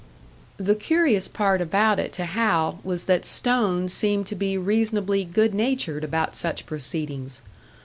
The curious part about it to Hal was that Stone seemed to be reasonably good natured about such proceedings.